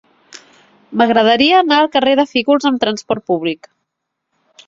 M'agradaria anar al carrer de Fígols amb trasport públic.